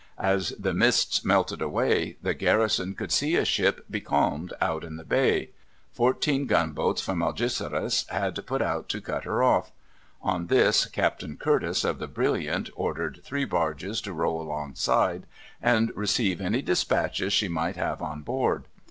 As the mists melted away, the garrison could see a ship becalmed out in the bay. Fourteen gunboats from Algeciras had put out to cut her off; on this, Captain Curtis, of the Brilliant, ordered three barges to row alongside, and receive any dispatches she might have on board.